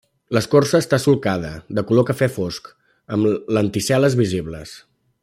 L'escorça està solcada, de color cafè fosc, amb lenticel·les visibles.